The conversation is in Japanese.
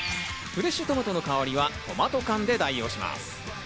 フレッシュトマトの代わりはトマト缶で代用します。